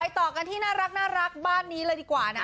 ต่อกันที่น่ารักบ้านนี้เลยดีกว่านะ